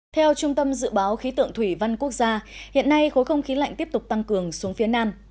theo trung tâm dự báo khí tượng thủy văn quốc gia hiện nay khối không khí lạnh tiếp tục tăng cường xuống phía nam